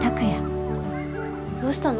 どうしたの？